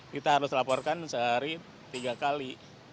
kita harus laporkan sehari tiga kali